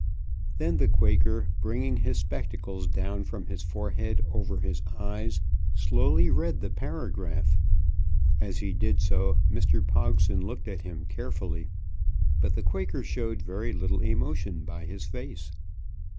Then the Quaker, bringing his spectacles down from his forehead over his eyes, slowly read the paragraph. As he did so Mr. Pogson looked at him carefully. But the Quaker showed very little emotion by his face.